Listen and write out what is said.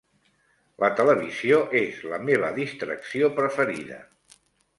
La televisió és la meva distracció preferida.